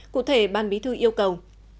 cụ thể ban bí thư yêu cầu